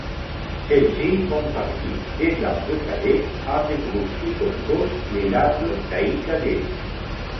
Celles-ci font partie des langues kadai, un des groupes qui composent les langues tai-kadai.